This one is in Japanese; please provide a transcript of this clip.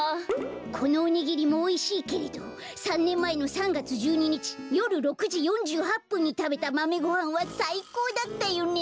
このおにぎりもおいしいけれど３ねんまえの３がつ１２にちよる６じ４８ぷんにたべたマメごはんはさいこうだったよね。